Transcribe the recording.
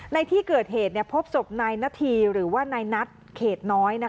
ในที่เกิดเหตุพบศพนายนาธีหรือว่านายนัทเขตน้อย